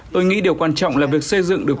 tôi nghĩ điều quan trọng là việc xây dựng được